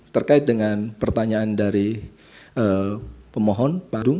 terkait dengan pertanyaan dari pemohon parung